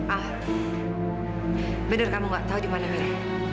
ah benar kamu nggak tahu di mana milo